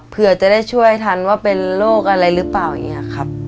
เผื่อจะได้ช่วยทันว่าเป็นโรคอะไรหรือเปล่าอย่างนี้ครับ